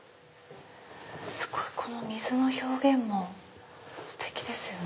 すごいこの水の表現もステキですよね。